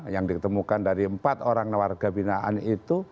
yang ditemukan dari empat orang warga binaan itu